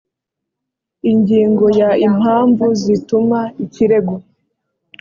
ingingo ya impamvu zituma ikirego